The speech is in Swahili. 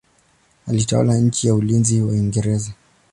Alitawala chini ya ulinzi wa Uingereza.